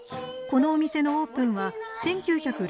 このお店のオープンは１９６９年。